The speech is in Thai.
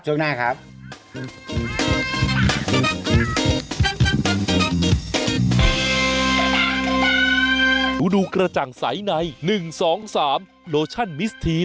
ช่วงหน้าครับ